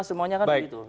semuanya kan bisa